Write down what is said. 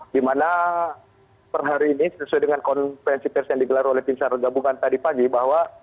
di mana per hari ini sesuai dengan konferensi pers yang digelar oleh tim sargabungan tadi pagi bahwa